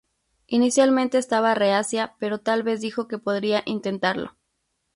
Inicialmente estaba reacia pero tal vez dijo que podría intentarlo.